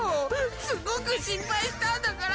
すごく心配したんだから！